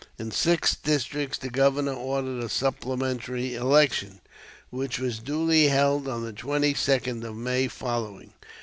In six districts the Governor ordered a supplementary election, which was duly held on the 22d of May following.